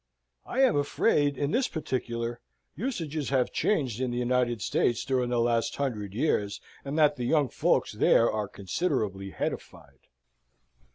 I am afraid, in this particular usages have changed in the United States during the last hundred years, and that the young folks there are considerably Hettified.